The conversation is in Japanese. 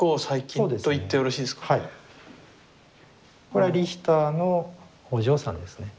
これはリヒターのお嬢さんですね。